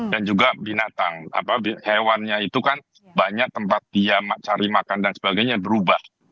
dan juga binatang hewannya itu kan banyak tempat dia cari makan dan sebagainya berubah